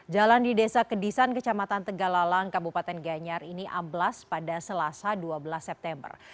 jalan di desa kedisan kecamatan tegalalang kabupaten gianyar ini amblas pada selasa dua belas september